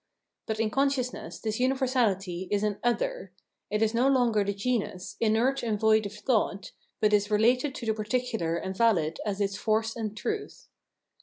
But in consciousness this universaUty is an " other "; it is no longer the genus, inert and void of thought, but is related to the particular and valid as its force and truth.